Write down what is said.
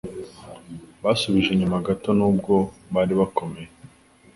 Basubije inyuma gato nubwo bari bakomeye